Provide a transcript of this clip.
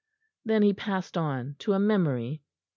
Then he passed on to a memory.